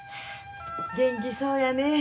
元気そうやね。